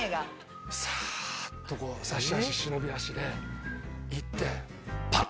サっとこう差し足忍び足で行ってパッ！